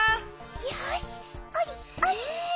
よしおりおりおり。